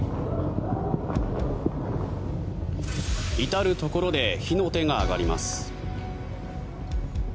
至るところで火の手が上がります。